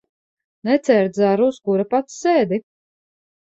Necērt zaru, uz kura pats sēdi.